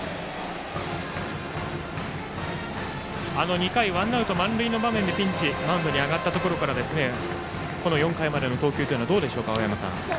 ２回ワンアウト満塁のピンチでマウンドに上がったところからこの４回までの投球はどうでしょうか、青山さん。